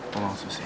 tolong suster ya